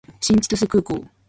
新千歳空港